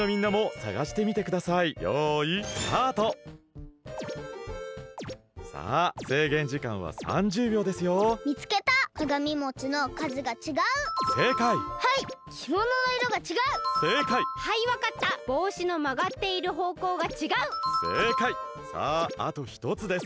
さああとひとつです。